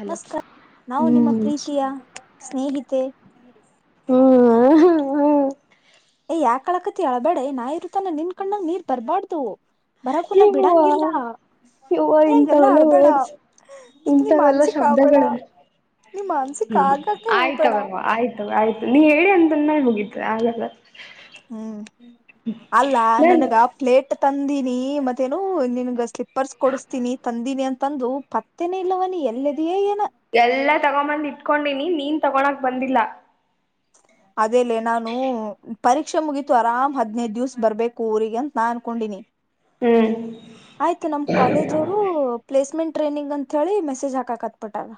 Hello ನಮಸ್ಕಾರ ನಾವು ನಿಮ್ಮ ಹ್ಮ್ ಪ್ರೀತಿಯ ಸ್ನೇಹಿತ ಕೆ ಹ್ಮ್ ಏ ಯಾಕಳಕತಿ ಅಳಬಡೆ ನಾಯಿರು ತನ್ನ ನಿನ್ ಕಣ್ಣಂಗ ನೀರ್ ಬರ್ಬಾರಡ್ದು ಹ ಹವ ಹೂವ ಹೆಂಗೆಲ್ಲಾ ಇಂತವೆಲ್ಲ ಅಳ್ಬೇಡ ರ್ಡ್ಸ್ ನೀ ಇಂಥವೆಲ್ಲಾ ಮಾನ್ಸಿಕ ಆಗ್ಬೇಡ ಶಬ್ದಗಳು ನೀ ಮಾನ್ಸಿಕ ಹ್ಮ್ ಆಗಕ್ಕೆ ಹೋಗ್ಬೇಡ ಆಯ್ತವಲ್ವಾ ಆಯ್ತವ ಆಯ್ತು ನೀ ಹೇಳಿ ಅಂತನ್ನ ಮುಗಿದತ್ ಆಲ್ಲ ಹ್ಮ್ ಅಲ್ಲ ನನ್ ನನಗ ಪ್ಲೇಟ್ ತಂದೀಿನಿ ಮತ್ತೇನು ನಿನ್ಗ ಸ್ಲಿಪರ್ಸ್ ಕೊಡಿಸ್ತೀನಿ ತಂದೀಿನಿ ಅಂತ ತಂದು ಪತ್ತೆನ ಇಲ್ಲವನ ಎಲ್ಲದೆಯೇ ಏನ ಎಲ್ಲಾ ತಗೊಂಬಂದ್ ಇಟ್ಕೊಂಡೀನಿ ನೀನ್ ತಗೋಳಕ್ ಬಂದಿಲ್ಲ [inaudible] ಅದೇಲೆ ನಾನು ಪರೀಕ್ಷೆ ಮುಗೀತು ಆರಾಮ್ ಹದ್ನೈದ್ ದಿವ್ ಬರ್ಬೇಕು ಊರಿಗೆ ಅಂತ ನಾ ಅನ್ಕೊಂಡಿನಿ ಹ್ಮ್ ಆಯ್ತು ನಮ್ ಕಾಲೇಜ ಅವರು ಪ್ಲೇಸ್ಮೆಂಟ್ ಟ್ರೈನಿಂಗ್ ಅಂತ ಹೇಳಿ ಮೆಸೇಜ್ ಹಾಕಕತ್ಪಟ್ಟಾರ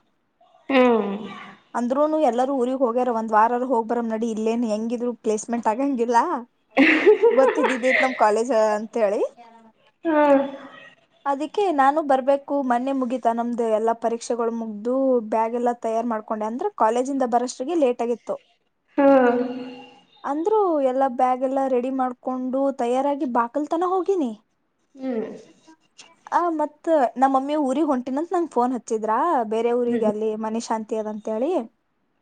ಹ್ಮ್ [inaudible] ಅಂದರುೂನು ಎ ಎಲ್ಲರ ಊರಿಗೆ ಹೋಗ್ಯಾರ ಒಂದ್ ವಾರ ಹೋಗ ಬರ್ ನಡಿ ಇಲ್ಲೇನ್ ಹೆಂಗಿದ್ರು ಪ್ಲೇಸ್ಟ್ ಆಗಂಗಿಲ್ಲ [inaudible] ಇವತ್ತ ಇದಿದ್ದತ್ ನಮ ಕಾಲೇಜ್ ಅಂತ ಹೇಳಿ ಹ್ಮ್ ಅದಕೆ ಕೆ ನಾನು ಬರ್ಬೇಕು ಮನ್ನೆ ಮುಗಿತಾ ನಮ್ದು ಎಲ್ಲಾ ಪರೀಕ್ಷೆಗಳು ಮುಗ್ದು ಬ್ಯಾಗ ಎಲ್ಲ ತಯಾರಾರ್ ಮಾಡ್ಕೊಂಡು ಅ ಕಾಲೇ ಬ ಹ್ಮ್ ಅ [unintelligible] ಎಲ್ಲಾ ಬ್ಯಾಗ್ ಎಲ್ಲಾ ರೆಡಿ ಮಾಡ್ಕೊಂಡು ತಯಾರಾಗಿ ಬಾಕಲ್ ತನ ಹೋಗಿನಿ ಹ್ಮ್ ಆ ಮತ್ತತ್ ನಮ್ಮಮ್ಮಿ ಊಗ್ ಹೊಂಟಿನಂತ ನಂಗ್ ಫೋನ್ ಹಚ್ಚಿದ್ರಾ ಬೇರೆ ಊರಿಗೆ ಹ್ಮ್ ಅಲ್ಲಿ ಮನ ಶಾಂತಿ ದ ಅಂತೇಳಿ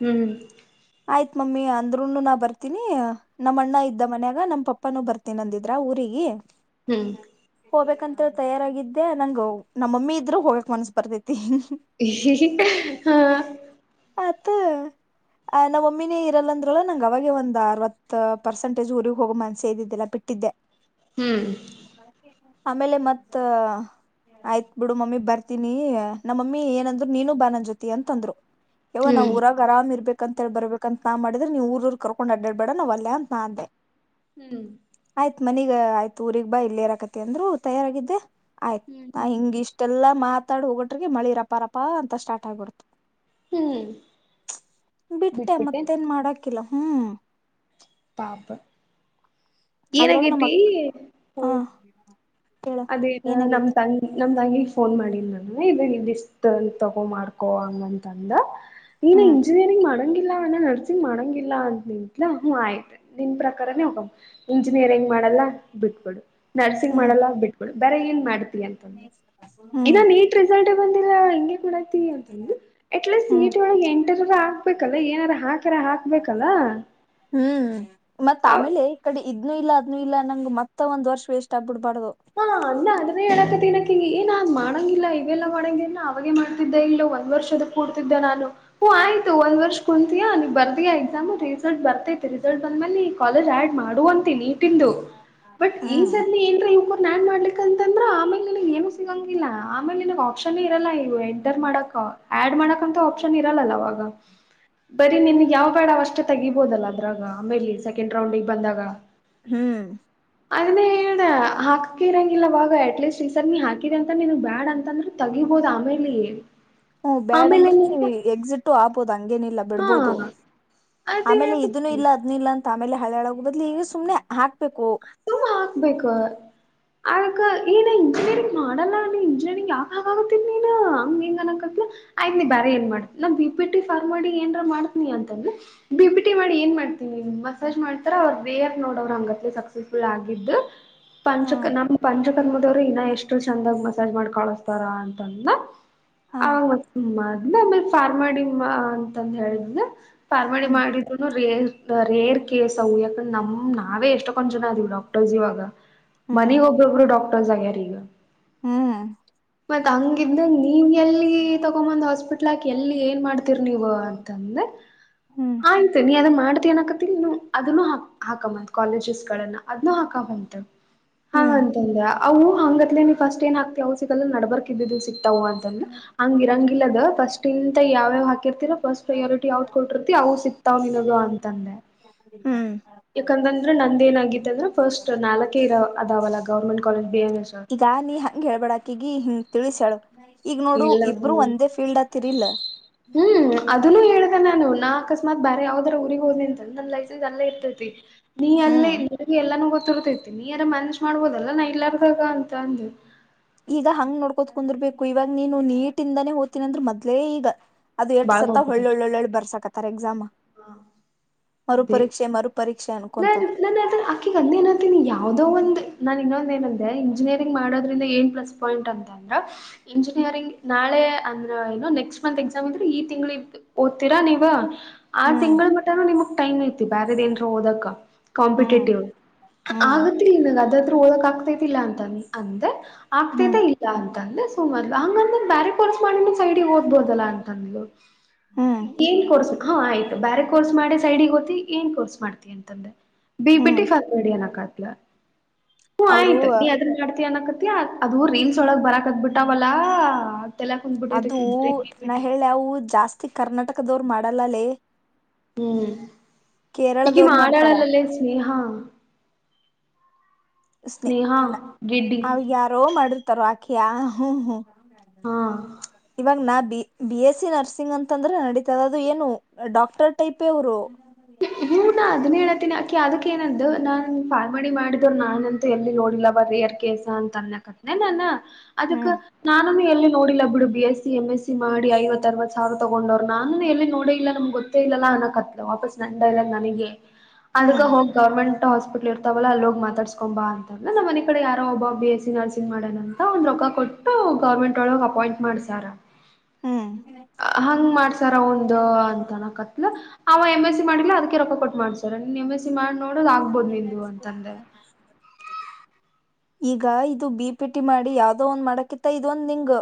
ಹ್ಮ್ ಹ್ಮ ಆಯ್ತ್ ಮಮ್ಮಿ ಅಂದ್ ನು ನಾ ಬರ್ತೀನಿ ನಮ್ಮ ಅಣ್ಣ ಇದ್ದ ಮನ್ಯಾಗ ನಮ್ಮ ಪಪ್ಪಾನೂ ಬರ್ತೀನಿ ಅಂದಿದ್ರ ಊರಿಗೆ ಹ್ಮ್ ಹೋಗ್ಬೇಕಂತ ತಯಾರಾಗಿದ್ದೆ ನಂಗ್ ನಮ್ಮಮ್ಮಿ ಇದ್ರರು ಹೋಗಕ್ ಮನ್ಸ ಬರ್ದತಿ ಹಾ ಪತ್ತು ಆ ನಾವ ಒಮ್ಮಿನೇ ಇರಲ್ಲ ಅಂದ್ಲ್ಲ ನಂಗ್ ಅವಾಗ ಒಂದ್ ಅರವತ್ ಪರ್ಸೆಂಟೇಜ್ ಊರಿಗೆಗ್ ಹೋಗ ಮನ್ಸೆ ಇದ್ದಿದ್ದೆಲ್ಲಾ ಬಿಟ್ಟಿದ್ದೆ ಹ್ಮ್ ಆಮೇಲೆ ಮತ್ತ ಆಯ್ತ್ ಬಿಡು ಮಮ್ಮಿ ಬರ್ತೀನಿ ನಮ್ಮ ಮಮ್ಮಿ ಏನಂದ್ರು ನೀನು ಬಾನನ್ ಜೊತಿ ಅಂತಂದ್ರು ಯವ ನಾವ್ ಹ್ಮ್ ಊರಾಗ ಆರಾಮ್ ಇರ್ಬೇಕು ಅ ಅಂತ ಹೇಳಿ ಬರ್ಬೇಕ ಅಂತ ನಾ ಮಾಡಿದ್ರೆ ನೀವುಊೂಊರ್ ಕರ್ಕೊಂಡ್ ಅಡ್ಡಡ್ಡೇಡ ನ್ ಅಲ್ಲೇ ಅಂತ ನ ಅಂದೆ ಹ್ಮ್ ಆಯ್ತ್ ಮನಗ ಆಯ್ತು ಊರ್ಗ್ ಬಾ ಇಲ್ಲಿೇರಾಕತಿ ಅಂದ್ರು ತಯಾರಾಗಿದ್ದೆ ಆಯ್ತು ಹ್ಮ್ ನಾ ಹಿಂಗ್ ಇಷ್ಟೆಲ್ಲಾ ಮಾತಾಡ್ ಹೋಗಟ್ರಿಗೆ ಮಳಿರಪಾರಪಾ ಅಂತ ಸ್ಟಾರ್ಟ್ ಆಗ್ಬಿಡ್ತು ಹ್ಮ್ ಬಿಟ್ಟೆ ಬಿಟ್ಬಿಟ್ಟೆ ಮತ್ತೇನ್ ಮಾಡಾಕಿಲ್ಲ ಹ್ಮ್ ಪಾಪ ಏನ ಅದ್ರಾಗ ನಮ್ಮ ಕೆೇಪಿ ಅಕ್ ಹ ಹಾ ಹೇಳ ಅದೇ ನಮ್ ಏನಾಗೈತಿ ತಂಗ ನಮ್ಮ್ದಂಗಗೆ ಫೋನ್ ಮಾಡಿಲ್ಲ ನಾನು ಇದು ಇಲ್ಲಿ ಇಷ್ಟು ತಗೊ ಮಾಡ್ಕೊ ಹಂಗಂತಂದ ನೀನ ಹ್ಮ್ ಇಂಜಿನಿಯರಿಂಗ್ ಮಾಡ ನರ್ಸಿಂಗ್ ಮಾಡೋಂಗಿಲ್ಲ ಅಂತ ನಿಂತಲ ಹ ಆಯ್ತು ನಿನ್ ಪ್ರಕಾರೇ ಹೋಗ ಇಂಜಿನಿಯರಿಂಗ್ ಮಾಡ ಲ್ಲ ಬಿಟ್ಬೊಡು ನರ್ಸಿಂಗ್ ಹ್ಮ್ ಮಾಡಲ್ಲ ಬಿಟ್ಕ ಬರ ಏನ್ ಮಾಡ್ತಿ ಅಂತಂದೆ ಹ್ಮ್ ಇನ್ನ ನೀಟ್ ರಿಸಲ್ಟ್ ಬಂದಿಲ್ಲ ಹಂಗೆ ಕೊಡತೀವಿ ಅಂತಂದು ಎಟ್ಲೀಸ್ಟ್ ಹ್ಮ್ ಸೀಟ ಒಳಗ್ ಎಂಟರ ಹಾಕ್ಬೇಕಲ್ಲ ಏನಾರ ಹಾಕ್ರ ಹಾಕ್ಬೇಕಲ್ಲ ಹ್ಮ ಮತ್ತತ್ ಆಮೇಲೆ ಈ ಕಡೆ ಇದ್ ಇಲ್ಲ ಅದ್ನು ಇ ನಂಗಗೆ ಮತ್ತ ಒಂದ ವರ್ಷ ವೇಸ್ಟ್ ಆಗ್ಬಿಡ್ ಹಾ ಅ ಅ ಅ ಹೇಳಕ ತಿನಕ ಏನ ಅ್ ಮಾಡಂಗಿಲ್ಲ ಇವೆಲ್ಲ ಮಾಡಂಗಗೆ ಅವಾಗೆ ಮಾಡ್ತಿದ್ದೆ ಇಲ್ಲೋ ಒ ವರ್ಷದ ಕೂತಿದ್ದ ನಾನು ಹ್ ಆಯ್ತು ಒಂದ ವರ್ಷ ಕುಂತೀಯ ನೀ ಬರ್ದೀಾ ಎಕ್ಸಾಮ್ ರಿಸಲ್ಟ್ ಬರ್ತೇ ಬಂದ ಕಾಲೇಜ್ ಆಡ್ ಮಾಡುವಂತ ನೀಟಂದು ಬಟ್ ಈ ಸರ್ನ ಏನ್ ಹ ಹ್ಮ ಲ್ಲ ಆಮೇಲೆ ನಾಗ ಆಪ್ಷನ್ ಇರಲ್ಲ ಇವು ಎಂಟರ್ ಮಾಡಕ್ ಆಡ್ ಮಾಡಕ್ಂತ ಆಪ್ಷನ್ ಇರಲ್ಲಲ್ಲ ಅವವಾಗ ಬರೀ ನಿನ್ಗ್ ಯಾವ್ ಬೇಡ ಅವ ಅಷ್ಟೇ ತೆಗಿಬೋದಲ್ಲ ಅದ್ರಾಗ ಆಮೇಲಿ ಸೆಕೆಂಡ್ ರೌಂಡಿಗೆ ಬಂದಾಗ ಹ್ಮ್ ಅದನ್ನೇ ಹೇಳ ಹಾಕಕ್ಕ ಇರಂಗಿಲ್ಲ ಬಾಗ ಅಟ್ಲೀಸ್ಟ್ ಈ ಸರ್ ನೀ ಹಾಕಿದಿದೆ ಅಂತ ನನ್ಗ್ ಬ್ಯಾಡ್ ಅಂತಂದ್ರ ತಗಿಬೋುದು ಆಮೇಲೆ ಹ್ಮ ಬ್ಯಾಡ್ ಅಂದ್ರೆ ಏನಂತ ನೀ ಎಕ್ಸಿಟ್ ಆಗ್ಬೋದಂಗ ಹೇನಿಲ್ಲ ಹಾ ಬಿಡ್ಬೋದು ಅದೇ ಆಮೇಲೆ ಇದನ್ನು ಹೇಳಕತ್ತೀನಿ ಇಲ್ಲ ಅದ ಇಿಲ್ಲ ಅ ಆಮೇಲೆ ಹಳೆಳೋಗ ಬದ್ಲಿ ಈಗ ಸುನೆ ಹಾ ತುಂಬ ಹಾಕ್ಬೇಕು ಅಕ ಏನ ಇಂಜಿನಿಯರಿಂಗ್ ಮಾಡಲ್ಲ ನೀ ಇಂಜಿನಿಯರಿಂಗ್ ಯಾಕಾಗತ್ತನ್ ನೀನ್ ಹಂಗ ಹೆಂಗ ಅನಕತ್ತಾ ಆಯ್ತ ನೀ ಬ್ರ ಏನ್ ಮಾಡತತಿ ನನ್ ಬಿ ಪಿಟಿ ಫಾರ ಮಾಡಿ ಏನ್ರ ಮಾಡ್ತನ ಅಂತಂದ್ರ ಬಿಟಿ ಮಾಡಿ ಏನ್ ಮಾಡ್ತನಿ ಮಸಾಜ್ ಮಾಡ್ತಾರ ಅವ್ ಬೇರ್ ನೋಡೋರ ಹಂಗತ್ ಸಕ್ಸ್ ಲ್ ಆಗಿದ್ದು ಪಂಚ ಹಾ ನಮ್ಮ ಪಂಚ ಕರ್ಮದವ್ರಿ ಇನ್ನ ಎಷ್ಟು ಚಂದಾಗ ಮಸಾಜ್ ಮಾಡ್ ಕಳಸ್ತಾರ ಅಂತಂದ ಹಾ ಆಮ್ಮ ಅದನ್ನ ಆಮೇಲೆ ಫಾರ್ಮಡಿಮ್ಮ ಅಂತಂದು ಹೇಳಿದನ ಪಾರ್ವಾನಿ ಹ್ಮ್ ಮಾಡಿದ್ರುನು ರೇರ್ ರೇರ್ ಕೇಸವು ಯಾಕಂದೆ ನಮ ನಾವೇ ಎಷ್ಟ ಕೊಡ್ ಜನ ಆದ್ ಡಾಕ್ಟರ್ಸ್ ಇವಾಗ ಹ್ಮ್ ಮನೆಗ್ ಒಬ್ಬೊಬ್ರು ಡಾಕ್ಟರ್ಸ್ ಆಗ್ಯಾರ ಈಗ ಹ್ಮ್ ಮತ್ ಹಂಗಿದ ನೀವ ಎಲ್ಲಿ ತಗೊಂಬಂದ್ ಹಾಸ್ಪಿಟ್ಲ್ ಎಲ್ಲಿ ಏನ್ ಮಾಡ್ತೀರಿ ನೀವು ಅಂತಂದ್ರೆ ಹ್ಮ್ ಆಯ್ತು ನೀ ಅ ಮಾಡತಿ ಏನಕತಿ ಇನ್ನು ಅದನ್ನು ಹಾಕ ಕಾಲೇಜಸ್ ಗಳನ್ನ ಅದ್ ಹಾಕಂತ ಹಾ ಹ್ಮ್ ಅಂತಂದ್ರೆ ಅವು ಹಂಗತ್ಲೇ ನೀವು ಫಸ್ಟ್ ಏನ್ ಹಾಕ್ತಿ ಅವು ಸಿಗಲ್ಲಾ ನಡ್ಬರ್ಕಿದ್ದಿದವು ಸಿಕ್ತಿ ಅಂದ್ರ ಹಂಗ ಇರಂಗಿಲ್ಲದ ಫಸ್ಟ್ ಇಂತ ಯಾವ್ಯಾವ ಹಾಕಿರ್ತಿರೋ ಫಸ್ಟ್ ಪ್ರಯಾರಿಟಿ ಯಾವದ ಕೊಟ್ಟಿರ್ತಿ ನಾವು ಸಿಕ್ತಾವ್ ನಿನಗ ಅಂತಂದೆ ಹ ಯಾಕಂದಂದ್ರೆ ನಂದ ಏನಗತ್ತ ಅಂದ್ರೆ ಫಸ್ಟ್ ನಾಲ್ಕೆ ಇರ ಅದಾವಲ್ಲ government college B M S ಈಗ ನೀ ಹಂಗ ಹೇಳ್ಬೇಡಾಕಿಗಿ ಹಿಂಗ್ ತಿಳಿಸ್ಯಾಳ ಈಗ ನೋಡು ಇಲ್ಲ ಇಬ್ಬರು ಹ್ಮ್ ಒಂದೇ ಫೀಲ್ಡ್ತ್ ತಿರಿಲ ಹ್ಮ್ ಅದನ್ನು ಹೇಳುದ ನಾನು ನಾ ಅಕಸ್ಮಾತ್ ಬಾರ ಯಾವ್ದರ ಊರಿಗೆ ಹೋನಿ ಅಂತ ನನ್ ಲೈಸೆನ್ಸ್ ಅಲ್ಲೇ ಇರ್ತೈತಿ ನೀ ಅಲ್ಲೇ ಹ್ಮ್ ಎಲ್ಲಾನು ಗೊತ್ತಿರ್ತೈತಿ ನೀ ಯಾರ ಮನೇಜ್ ಮಾಡ್ಬೋದಲ್ಲ ನಾ ಇಲ್ಲಾರ್ದಾಗ ಅಂತ ಅಂದ ಈಗ ಹಂಗ್ ನೋಡ್ಕೋತ ಕುಂದಿರ್ಬೇಕು ಇವಾಗ ನೀನು ನೀಟಿಂದಾನೇ ಹೋತೀನ ಅಂದ್ರರು ಮೊದ್ಲೇ ಈಗ ಅದು ಎಷ್ಟಟ್ ಬಾಳ್ ಸತ ಹೋಗ್ಬಿಟ್ಟೆ ಒಳ್ಳೊಳ್ಳ ಒಳ್ಳೆ ಬರ್ಸಾಕತ್ತಾರೆ ಎಕ್ಸಾಮ ಮರು ಪೀಕ್ಷೆ ಮರು ಪರೀಕ್ಷೆನು ನಾನನ್ ನಾನ ಆ್ತ ಆಕಿಗೆ ಅಂದೇಏನತೀನಿ ಯಾವ್ದೋ ಒಂದು ನಾನ್ ಇನ್ನೊಂದ ಏನಂದೆ ಇಂಜಿನಿಯರಿಂಗ್ ಮಾಡೋದ್ರಿಂದ ಏನ್ ಪ್ಲಸ್ ಪಾಯಿಂಟ್ ಅಂತ ಅಂದ್ರೆ ಇಂಜಿನಿಯರಿಂಗ್ ನಾಳೆ ಅಂದ್ರ ಏನೋ ನೆಕ್ಸ್ಟ್ ಮಂತ್ ಎಕ್ಸಾಮ್ ಇದ್ರೆ ಈ ತಿಂಗಳ ಓದ್ತತಿರಾ ನೀವು ಆ ಹ್ಮ್ ತಿಂಗ್ಳ ಮಟ್ಟಾನ ನಿಮಕ್ ಟೈಮ್ ಐತಿ ಬ್ಯಾರದೇಏನ್ರರು ಹೋದಕ ಹ್ಮ್ ಕಾಂಪಿಟೇಟಿವ್ ಹ್ಮ್ ಆಗತ್ಲ್ಲ ನಿನಾಗ ಅದಾದ್ರೂ ಓದಕ ಆಗ್ತೈತಿಲ್ಲ ಅಂತ ಅಂದ ಹ್ಮ್ ಆಗ್ತಿದೆ ಇಲ್ಲ ಅಂತ ಅಂದ್ರೆ ದ ಹಂಗಂದ್ರ ಬ್ಯಾರಿಕೋರ್ಸ್ ಮಾಡ ಸೈಡ್ಗೆ ಓದ್ಬೋದಲ್ಲ ಅಂತಂದು ಹ್ಮ್ ಏನ್ ಕೋರ್ಸ್ ಹಾ ಆಯ್ತು ಬೇಾರೆ ಕೋರ್ಸ್ ಮಾಡಿ ಸೈಡ್ಗ್ ಹೋಗತಿ ಏನ್ ಕೋರ್ಸ್ ಮಾಡ್ತಿ ಅಂತಂದ್ರೆ ಬಿ ಬಿಟ್ಟಿ ಹ್ಮ್ ಕಾತ್ಬೇಡಿ ಅನಕತ್ಲ ಹ್ಮ ಆಯ್ತ ಅವರು ನೀ ಅದ್ರ ಮಾಡ್ತೀ ಅನಕ ಅದ ರೀಲ್ಸ್ ಒಳಗ ಬರಕದ ಬಿಟ್ಟಾವಲ್ಲಾ ತಲ್ಯಾಗ ಕುಂದ್ಬಿಟ್ಟೈತಿ ಅದು ಆಕಿಗ್ ಬರೀ ಬಿ ಪಿ ನ ನ ಟಿ ಹೇಳಿ ಅವು ಜಾಸ್ತಿ ಕರ್ನಾಟಕದವರು ಮಾಡಲ್ಲಲ್ಲೇ ಹ್ಮ್ ಈಗ ಮಾಡ್ತಾರ ಮಾಡಾಡಾಳಲ್ಲಲ್ಲೇ ಸ್ನೇಹ ಸ್ನೇಹ ಸ್ನೇಹಾ ಅಲ್ಲ ಗಿಡ್ಡಿ ಅವ ಯಾರೋ ಮಾಡ ತರಕಿಯ ಹ್ಮ ಹ್ಮ ಹಾ ಇವಾಗ ನಾ B B S C nursing ಅಂತಂದ್ರೆ ನಡೀತದ ಅದು ಏನು ಡಾಕ್ಟರ್ ಟೈಪ್ ಅವರು ಹನಾ ಅದನ್ನ ಹೇಳ ನಕಿ ಅದಕ್ಕ ಏನಂದು ನಾನ್ ಪಲ್ಮಾಡಿ ಮಾಡಿದ್ರು ನಾನನ್ ಅಂತ ಎಲ್ಲಿ ನೋಡಿಲ್ಲ ಬಯರ್ ಕೇಸ ಅಂತ ಅನ್ ಹ್ಮ್ ಅದುಕ್ಕೆ ನಾನು ನೇ ಎಲ್ಲಿ ನೋಡಿಲ್ಲ ಬಿಡು B S C M S C ಮಾಡ ಐವ ಅರವತ್ ಸಾವಿರ ತಗೊಂಡೋ್ ನಾನೇ ಎಲ್ಲಿ ನೋಡಿ ಇ ನಮ್ ಗೊ ಇಲ್ಲ ಅ ಕತ್ ವಾಪಸ್ ನನ್ ಡೈಲಾಗ್ ನನಗೆ ಅದಗ ಹ್ಮ್ ಹೋಗಿ ಗವರ್ಮೆಂಟ್ ಹಾಸ್ಪಿಟ್ಲ್ ಇರ್ತಾವಲ್ಲ ಅಲ್ಲಿ ಹೋಗಿ ಮಾತಾ ಕಕೊ ಅಂತಂದ್ ನಮ್ಮ ಮನ ಕಡೆ ಯಾರೋ ಒಬ್ಬ ಬಿ ಎಸ್ಸ ಸಿಮ್ ಮಾಡೇ ಅಂತ ಅವನ್ರೊಕ್ಕ ಕೊಟ್ಟು ಗವರ್ಮೆಂಟ್ ಒಳಗ್ ಅಪಾಯಿಂಟ್ ಮಾಡ್ಸಾರ್ ಹ್ಮ್ ಹಂಗ್ ಮಾಡ್ಸಾರ ಒಂದು ಅಂತನಕತ್ಲ ಅವ ಎಮ ಎಸ್ ಅದಕ ರೊಕ್ಕ ಕೊಟ್ಟು ಮಾಡ್ಸರ ನಿನ್ ಎಂ ಎಸ್ ಸಿ ಮಾಡಿ ನೋಡ್ ಆಗ್ಬೋದು ನಿು ಅಂತಂದೆ ಈಗ ಇದು ಬಿ ಪಿಟಿ ಮಾಡಿ ಯಾವ್ದೋ ಒಂದ್ ಮಾಡಕಿತ್ತ ಇದೊಂದ್ ನಿಂಗು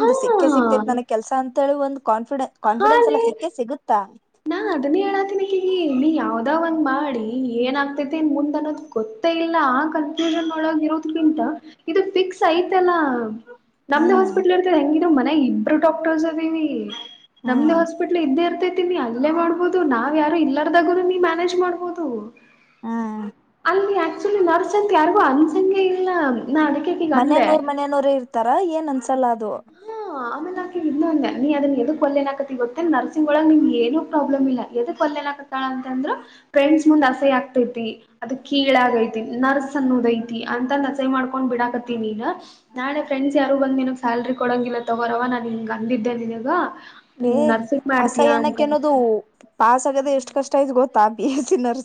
ಹಾ ಸಿಕ್ಕೇ ಸಿಕ್ತೇತ್ ನನಗ್ ಕೆಲ್ಸ ಅಂತೇಳಿ ಒಂದು ಕಾನ್ಫಿಡೆ ಹಾ ಕಾನ್ಫಿಡೆನ್ಸ್ ಎಲ್ಲಾ ಲೇ ಸಿಕ್ಕೇ ಸಿಗುತ್ತಾ ನಾ ಅದನ್ನ ಹೇಳಾತೀನಿ ಕಗಿ ನೀ ಯಾವ್ದ ಒಂದ್ ಮಾಡಿ ಏನ್ ಆಗ್ತೈತಿ ನ್ ಮುಂದ್ ಅನ್ನೋದ್ ಗೊತ್ತ ಇಲ್ಲ ಆ ಕನ್ಫ್ಯೂಷನ್ ಒಳಗ ಇರೋದಕ್ಕಿಂತ ಇದು ಫಿಕ್ಸ್ ಐತಲ್ಲ ನಮ್ದ ಹ್ಮ್ ಹಾಸ್ಪಿಟ್ಲ್ ಇರ್ತದೆ ಹೆಂಗಿದ ಮನೆ ಇಬ್ರು ಡಾಟರ್ಸ್ ಅದೀವಿ ನಮ್ದ್ ಹ್ಮ್ ಹಾಸ್ಪಿಟ್ಲ್ ಇದ್ದೇ ಇರ್ತ ಅಲ್ಲೇ ಮಾಡ್ಬಹದು ನಾವ್ ಯಾರು ಇಲ್ಲದಾಗು ನಿನ್ ಮ್ಯಾನೇಜ್ ಮಾಡ್ಬಹದು ಹ್ಮ್ ಅಲ್ಲಿ ಆಕ್ಚುಲಿ ನರ್ಸತ್ ಯಾರಿಗೂ ಅನ್ಸಗೆ ಇಲ್ಲ ನಾ ಅದಕ್ಕೆೇಕಗಂದಲ್ಲೆ ತರ ಏನ್ ಅನ್ಸಲ್ಲ ಅದು ಹಾ ಆಮೇಲ ಆಕೆ ಇನ್ನು ಅಂದೆ ನೀ ಅದನ್ನ ಎದಕ ಅಣ್ಣಾಕತ್ತಿ ಗೊತ್ತ ಏನ್ ನರಸಿಂಗ್ಳ ನಿಂಗ ಏನು ಪ್ರಾಬ್ ಭ್ರಮ ಇಲ್ಲ ಎದಕ ಒಲ್ಲ ಅನ್ನಾಕತ್ತಾಳ ಅಂತ ಅಂದ್ರ ಫ್ರೆಂಡ್ಸ್ ಮುಂದ ಅಸಯ ಆಗ್ತೈತಿ. ಅದ ಕೀಳಾಗೈತಿ ನರ್ಸ್ನ್ನುದೈತಿ ಅಂತ ಅಂದ ಅಸಯ್ಯ ಮಾಡ್ಕೊಂಡ ಬಿಡಾಕತ್ತಿ ನಿನ್ನ ನಾಳೆ ಫ್ರೆಂಡ್ಸ್ ಯಾರು ಬಂದ ನಿನಗ ಸ್ಯಾಲ್ರಿ ಕೊಡಂಗಿಲ್ಲ ತಗೋರವ ನಾನ ಹಿಂಗ ಅಂದಿದ್ದೆ ನಿನಗ ನೀನ್ ಹ್ಮ ನರ್ಸಿಂಗ್ ಮಾಡ್ತೀಯಾ ಅಸಯ ಅನಕ್ಕ ಅಂತ ಏನ್ ಅದು ಪಾಸ್ ಆಗದೆ ಎಷ್ಟ ಕಷ್ಟ ಆಯ್ತ ಗೊತ್ತಾ ಪ ಎಸ್ ನರ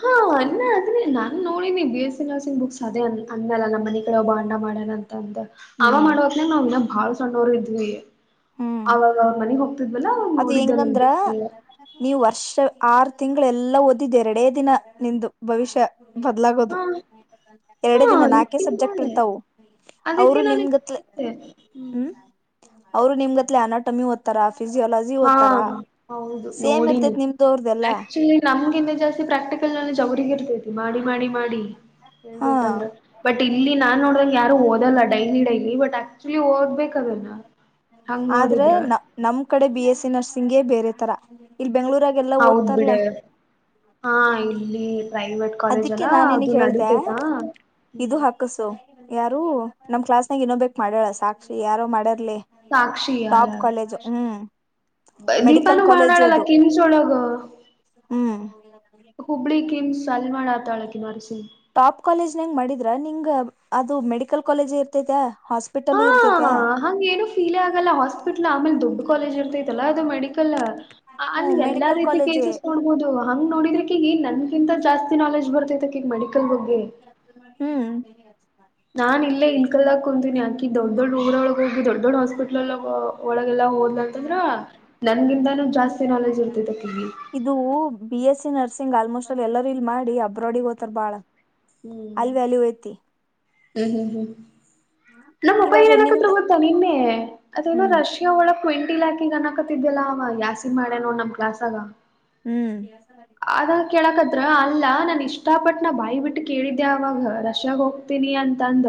ಹಾ ಅನ್ನ ಅದ್ರೆ ನಾನ್ ನೋಡಿನಿ B S C nursing books ಅದೇ ಅಂದಲ್ಲ ನಮ್ಮ ಮನಿ ಕಡೆ ಒಬ್ಬ ಅನ್ನ ಮಾಡಣ ಅಂತ ಅಂದ ಅವ ಮಾಡವತ್ನಗ ನಾವ ಇನ್ ಬಾಳ ಸಣ್ಣೋರ ಇದ್ವಿ. ಅವಾಗ ಅವ ಮನೆಗ ಹೋಗ್ತಿದ್ವಲ್ಲ ಅವ್ ಅದು ನೋಡಿದ್ದ ಅಲ್ಲಿ ಆರ ತಿಂಗಳ ಎಲ್ಲಾ ಓದಿದ್ದ ಎರಡೇ ದಿನ ನಿಂದು ಭವಿಷ್ಯ ಬದ್ಲಾಗೋದು. ಹಾ ಹಾ ಎರಡೇ ದಿನ ನಾಲ್ಕೆ ಈಕಿನ್ ಸಬ್ಜೆಕ್ಟ್ ಮಾಡೆ ಇರ್ತವು. ಅವರು ಅದಕ್ಕೆ ನನಗ್ ನಿಮ್ಗತ್ಲೆ ಹ್ಮ ಅವರು ನಿಮ್ಗತ್ಲೆ ಅನಾಟಮಿ ಓದ್ತಾರ. ಫಿಸಿಯೋಲಜಿ ಹಾ ಓದ್ತಾರ ಹೌದು ಸೇಮ್ ನೋಡಿನಿ. ಇರ್ತೇತ್ ನಿಮ್ದು ಅವ್ರ್ದೆಲ್ಲಾ ಆಕ್ಚುಲಿ ನಮ್ಗನ್ನ ಜಾಸ್ತಿ ಪ್ರಾಕ್ಟಿಕಲ್ ನ ಜ ಅವರಿಗ ಇರ್ತೈತಿ ಮಾಡಿ ಮಾಡಿ ಮಾಡಿ ಹಾ ಹೇಳ್ಬೇಕಂದ್ರ ಮ ಇಲ್ಲಿ ನಾನ್ ನೋಡ್ರಗ ಯಾರು ಓದಲ್ಲ ಡೈಲಿ ಡೈಲಿ ಬಟ್ ಆಕ್ಚುಲಿ ಓದ್ಬೇಕ ಅದನ್ನ ಹಂಗ್ ಆದ್ರೆ ನೋಡಿದ್ರ ನ ನಮ್ ಕಡೆ ಬಿ ಎಸ್ಸ ನರ್ಸಿಂಗೇ ಬೇರೆ ತರ ಇಲ್ ಬೆಂಗ್ಗಳೂರಾಗ ಎಲ್ಲ ಹೌದ್ ಬಿಡ ಓದ್ತಾರಲ್ಲ. ಹಾ ಇಲ್ಲಿ ಪ್ರೈವೇಟ್ ಕಾಲೇಜ್ ಅದಿಕ್ಕೆ ಅಲ್ಲ ನಾ ನಿನಗ ಅದು ಹೇಳ್ದ ನಡೀತೇತಾ ಇದು ಹಾಕಸು. ಯಾರು ನಮ್ ಕ್ಲಾಸ್ನಾಗ ಇನ್ನೊಬಕ ಮಾಡ್ಯಳ ಸಾಕ್ಷಿ ಯಾರೋ ಮಾಡ್ಯಾರ. ಲಿ ಸಾಕ್ಷಿಯಾಳ ಟಾಪ್ ಕಾಲೇಜ್ ಹ್ಮ. ಮೆಡಿಕಲ್ ದೀಪಾನು ಕಾಲೇಜ್ ಮಾಡಾಳಲ್ಲ ಅದು ಕಿಮ್ಸ್ ಒಳಗ ಹ್ಮ. [inaudible] ಹುಬ್ಳಿ ಕಿಮ್ಸ್ ಅಲ್ಲಿ ಮಾಡಾತಾಳ ಅಕಿ ವರ್ಷಿಣಿ. ಟಾಪ್ ಕಾಲೇಜ್ನಂಗ ಮಾಡಿದ್ರ ನಿಂಗ ಅದು ಮೆಡಿಕಲ್ ಕಾಲೇಜ ಇರ್ತತ. ಹಾ ಹಂಗ ಏನು ಫೀಲ್ ಆಗಲ್ಲ ಹಾಸ್ಪಿಟ್ಲ ಆಮೇಲೆ ದೊಡ್ ಕಾಲೇಜ್ ಇರ್ತೈತಲ್ಲಾ ಅದು ಮೆಡ ಆಕಲ್ಲ. ಆ ಹ್ಮ್ ಅಲ್ಲಿ ಎಲ್ಲಾ ಮೆಡಿಕಲ್ ರೀತಿ ಕಾಲೇಜೇ ಕೇಸಸ್ ನೋಡ್ಬದು ಹಂಗ ನೋಡಿದ್ರ ಅಕಿಗಿ ನನ್ಗಿಂತ ಜಾಸ್ತಿ ನಾಲೆಜ್ ಬರ್ತೈತೆ ಕಿಗ ಮಡಿಕಲ್ ಬಗ್ಗೆ ಹ್ಮ. ನಾನ್ ಇಲ್ಲೇ ಇನ್ ಕಲ್ದಾ ಕುಂತೀನಿ ಆಕಿ ದೊಡ್ ದೊಡ್ ಊರೊಳ ಹೋಗ ದೊಡ್ಡ ದೊಡ್ಡ ಹೊಸ ಟ್ಲಲ್ಲಿ ಒಳಗೆಲ್ಲಾ ಹೋದ್ಲಂತಂದ್ರ ನನ್ಗಿಂತಾನು ಜಾಸ್ತಿ ನಾಲೆಜ್ ಇರ್ತೈತ ಆಕಿಗಿ ಹು ಬಿ ಎಸ್ ಸಿಂಗ್ ಆಲ್ಮೋಸ್ಟ್ ಅಲ್ಲಿ ಎಲ್ಲರೂ ಇಲ್ ಮಾಡಿ ಅಬ್ರೋಡ ಹೋತಾರ ಬಾಳ ಅಲ್ ವ್ಯಾಲ್ಯೂ ಐತಿ. ಹ್ಮ ಹ್ಮ ಹ್ಮ. ನಮ್ ಅಪಾ ಇವಾಗ ಏನಕತ್ರ ನಿಮ್ದ ಗೊತ್ತಾ ನಿನ್ನೆ ಅದೇನೋ ಹ್ಮ್ ರಷ್ಯಾ ಒಳ ಕ್ವಿಂಟಿಲ ಅಕಿಗ ಅಣನಕತಿದ್ದಲ್ಲ ಆವಾ ಯಾಸಿ ಮಾಡೇನ ನಮ್ ಕ್ಲಾಸಗ ಹ್ಮ. ಕೇಳಕದ್ರ ಅಲ್ಲಾ ನಾನ ಇಷ್ಟ ಪಟ್ಟ ನಾ ಬಾಯಿ ಬಿಟ್ಟ ಕೇಳಿದ್ದೆ ಅವಾಗ ಅಷಾಗ ಹೋಗ್ತೀನಿ ಅಂತ ಅಂದ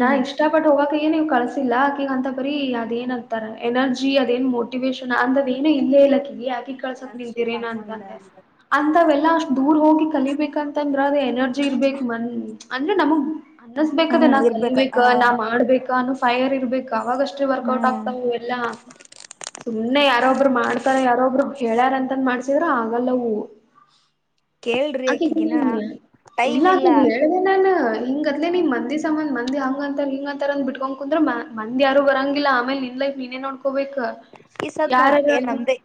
ನಾ ಹ್ಮ್ ಇಷ್ಟ ಪಟ್ಟ ಹೋಗ ಅದು ಏನ್ ಕಳ್ಸಿಲ್ಲ ಆಕಗ ಅಂತ ಬರೀ ಅದ ಏನ್ ಅಂತಾರ ಎನರ್ಜಿ ಅದೇನ ಮೋಟಿವೇಶಷನ್ ಅಂದ ಏನ ಇಲ್ಲೇ ಇಲ್ಲ ಆಕಿಗಿ ಅಕಿಗ ಕಳ್ಸಕ ನಿಂತೀರೇನ ಅಂತಂತೆ. ಅಂತಾವೆಲ್ಲಾ ಅಷ್ಟ ದೂರ ಹೋಗಿ ಕಲಿಬೇಕಂತಂದ್ರ ಅದ ಎನರ್ಜಿ ಇರ್ಬೇಕ ಮನ್ ಅಂದ್ರ ನಮಗ್ ಆ ಹ್ಮ್ ಅನ್ನಸ್ಬೇಕದ ನಾ ಇರ್ಬೇಕ ಹ ಕಲಿಬೇಕ ನಾ ಮಾಡ್ಬೇಕ ಅನ್ನು ಫೈಯರ್ ಇರ್ಬೇ ಅವಾಗ ಅಷ್ಟೇ ವರ್ಕೌಟ್ ಹ್ಮ್ ಆಗ್ತಾವ ಇವ ಎಲ್ಲಾ ಸುಮ್ಮನೆ ಯಾರೊಬ್ರು ಮಾಡ್ತಾರ ಯಾರೊಬ್ರು ಹೇಳ್ಯಾರ ಅಂತನ ಮಾಡ್ಸಿದ್ರರು ಆಗಲ್ಲ ಅವು. ಕೇಳ್ರಿ ಅಕಿಗ ಅಕಿಗಿನ ನಿನ್ ಟೈಮ್ ಇಲ್ಲ ಇಲ್ಲಾಕಿ ಹೇಳ್ದೆ ನಾನ್ ಹಿಂಗ ಆತ್ಲೆ ಹ ನಿಮ್ ಮಂದಿ ಸಮನ್ ಮಂದ ಅ ಹಂಗಂತ ಹಿಂಗ ಅಂತರ ಬಿಟ್ಟಕೊಂಡ ಕುಂದ್ರ ಮಂದ ಯಾರು ಬರಂಗಿಲ್ಲ ಆಮೇಲೆ ನಿನ್ ಲೈಫ್ ನೀನೇ ನೋಡ್ ಈ ಸದ್ ನೋಡ ಏ ನಂದೇ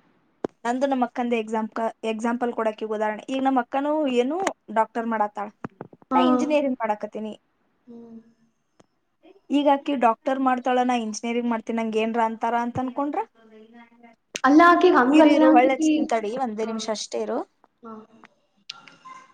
ನಂದು ನಮ್ಮ ಅಕ್ಕಂದ ಎಕ್ಸಾಮ್. ಎಕ್ಸಾಂಪಲ್ ಕೊಡಕ ಉದಾಹರಣೆ ಈಗ ನಮ್ಮ ಅಕ್ಕನು ಏನು ಡಾಕ್ಟರ್ ಮಾಡತ್ತಾಳ ಹಾ ನಾ ಇಂಜಿನಿಯರಿಂಗ್ ಮಾದಾಖಾತಿನಿ ಹ್ಮ್ ಈಗ ಅಕಿ ಡಾಕ್ಟರ್ ಮಾಡ್ತಾಳ ನ ಇಂಜಿನಿಯರಿಂಗ್ ಮಾಡ್ತನ ನಂಗ ಏನ್ರ ಅಂತಾರ ಅಂತ ಅನ್ಕೊಂಡ್ರ ಅಲ್ಲಾಕಿ ಹಂಗ ಇರು ಅಲ್ಲ ಇರು ಹೊಳ್ಳ ಹಚ್ತಿನ್ ತಡಿ ಒಂದೇ ಹ ನಿಮಿಷ ಅಷ್ಟೇ ಇರು. ಹ [unintelligible]